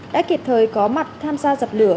đã kịp thời có mặt tham gia dập lửa